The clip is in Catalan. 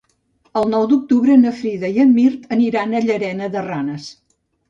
El nou d'octubre na Frida i en Mirt aniran a Llanera de Ranes.